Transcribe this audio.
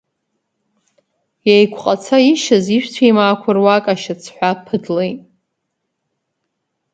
Еиқәҟаца ишьаз ижәцәеимаақәа руак ашьацҳәа ԥытлеит.